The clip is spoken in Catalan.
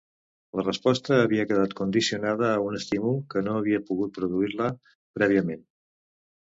La resposta havia quedat condicionada a un estímul que no havia pogut produir-la prèviament.